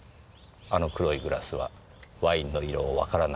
あの黒いグラスはワインの色をわからなくするため。